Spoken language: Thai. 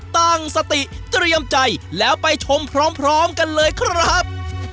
ตั้งสติเตรียมใจแล้วไปชมพร้อมกันเลยครับ